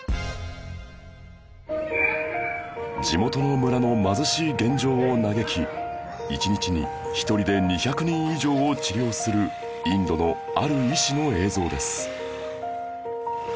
地元の村の貧しい現状を嘆き１日に１人で２００人以上を治療するインドのある医師の映像です